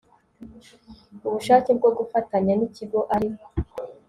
ubushake byo gufatanya n Ikigo ari